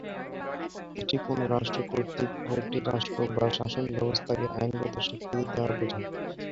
এটি কোনো রাষ্ট্র কর্তৃক আরেকটি রাষ্ট্র বা শাসন ব্যবস্থাকে আইনগত স্বীকৃতি দেওয়া বোঝায়।